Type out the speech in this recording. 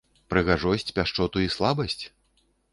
Прыгажосць, пяшчоту і слабасць?